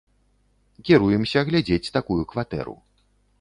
Кіруемся глядзець такую кватэру.